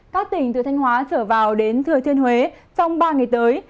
các tỉnh từ thanh hóa trở vào đến thừa thiên huế trong ba ngày tới